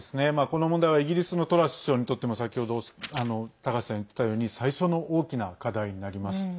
この問題はイギリスのトラス首相にとっても先程、高橋さんが言ってたように最初の大きな課題になります。